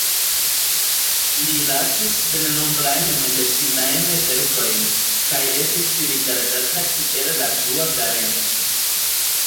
Li lasis sennombrajn medicinajn verkojn kaj estis rigardata kiel la dua Galeno.